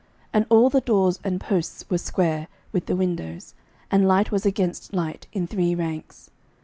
11:007:005 And all the doors and posts were square, with the windows: and light was against light in three ranks.